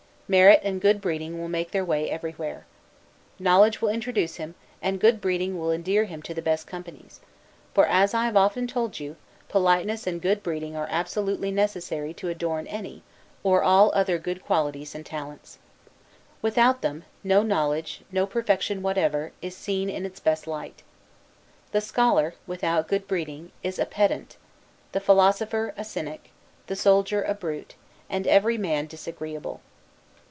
Merit and good breeding will make their way everywhere. Knowledge will introduce him, and good breeding will endear him to the best companies: for, as I have often told you, politeness and good breeding are absolutely necessary to adorn any, or all other good qualities or talents. Without them, no knowledge, no perfection whatever, is seen in its best light. The scholar, without good breeding, is a pedant; the philosopher, a cynic; the soldier, a brute; and every man disagreeable.